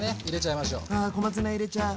あ小松菜入れちゃう。